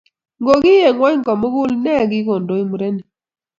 Ngoki eng ngwony komugul née kikondoi murenik